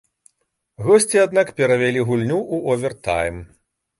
Госці аднак перавялі гульню ў овертайм.